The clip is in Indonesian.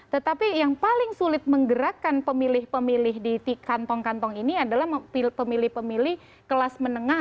tetapi yang paling sulit menggerakkan pemilih pemilih di kantong kantong ini adalah pemilih pemilih kelas menengah